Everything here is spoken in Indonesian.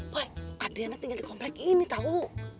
boy adriana tinggal di komplek ini tau